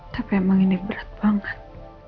tapi emang ini berat banget